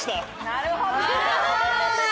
なるほどね。